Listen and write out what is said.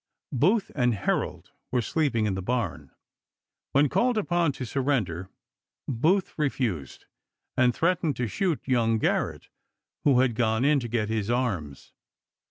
Booth and Herold were sleeping in the barn. When called upon to surrender, Booth refused, and threatened to shoot young Garrett, who had gone in to get his arms.